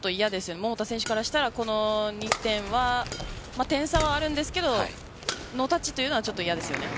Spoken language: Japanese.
桃田選手からしたらこの２点は点差はあるんですがノータッチというのは嫌ですよね。